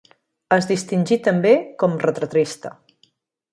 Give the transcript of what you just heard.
Es distingí també com a retratista.